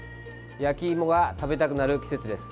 焼き芋が食べたくなる季節です。